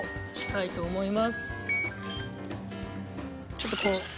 ちょっとこう。